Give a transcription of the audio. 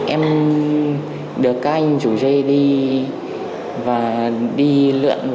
em được các anh rủ dê đi và đi lượn